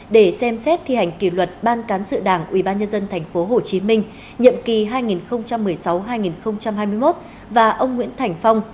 để xem xét thi hành kỷ luật ban cán sự đảng ubnd tp hcm nhiệm kỳ hai nghìn một mươi sáu hai nghìn hai mươi một và ông nguyễn thành phong